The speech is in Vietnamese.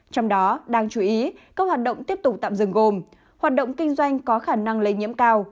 trong đó đáng chú ý các hoạt động tiếp tục tạm dừng gồm hoạt động kinh doanh có khả năng lây nhiễm cao